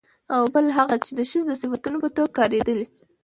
او بل هغه چې د ښځې د صفتونو په توګه کارېدلي